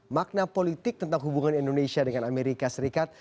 makna politik tentang hubungan indonesia dengan amerika serikat